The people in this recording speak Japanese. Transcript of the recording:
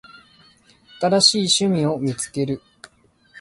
新しい趣味を見つける